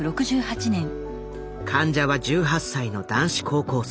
患者は１８歳の男子高校生。